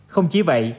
không chỉ vậy